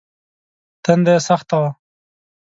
تنده يې سخته وه.